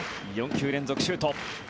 ４球連続シュート。